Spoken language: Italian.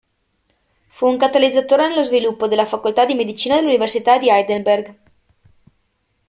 Fu un catalizzatore nello sviluppo della facoltà di medicina dell'Università di Heidelberg.